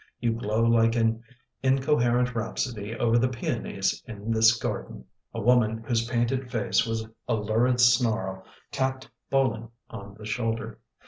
You glow like an inco herent rhapsody over the peonies in this garden! " A woman whose painted face was a lurid snarl tapped Bolin on the shoulder.